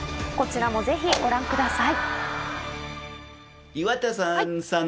こちらもぜひご覧ください。